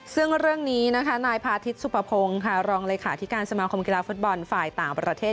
ซึ่งเรื่องนี้นะคะนายพาทิศสุภพงศ์ค่ะรองเลขาธิการสมาคมกีฬาฟุตบอลฝ่ายต่างประเทศ